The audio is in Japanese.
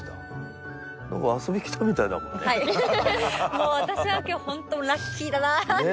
もう私は今日ホントラッキーだなと。